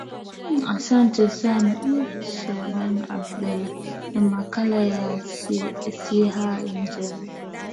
m asante sana ebi shaban abdala na makala ya siha njema